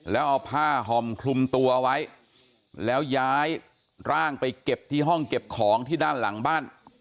แล้วเอาผ้าห่อมคลุมตัวไว้แล้วย้ายร่างไปเก็บที่ห้องเก็บของที่ด้านหลังบ้าน